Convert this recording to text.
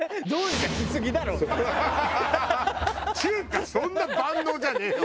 中華そんな万能じゃねえよ。